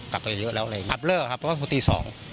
ก็จะเยอะแล้วอะไรอย่างงับเลิกครับเพราะว่าคงตีสอง